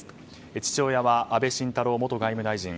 父親は安倍晋太郎元外務大臣。